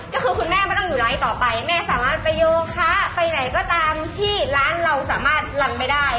ก็คือคุณแม่ไม่ต้องอยู่ไลค์ต่อไปแม่สามารถไปโยคะไปไหนก็ตามที่ร้านเราสามารถลำไปได้